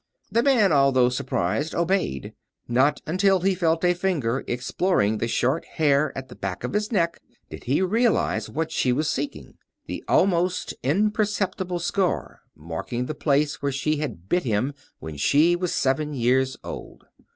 The man, although surprised, obeyed. Not until he felt a finger exploring the short hair at the back of his neck did he realize what she was seeking the almost imperceptible scar marking the place where she bit him when she was seven years old!